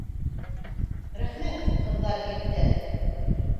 -Рәхмәт, ҡыҙҙар, егеттәр!